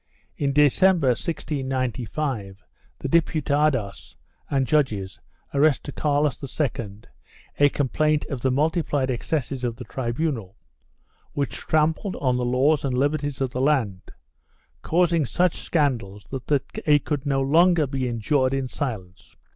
In December, 1695, the Diputados and judges addressed to Carlos II a com plaint of the multiplied excesses of the tribunal, which trampled on the laws and liberties of the land, causing such scandals that they could no longer be endured in silence.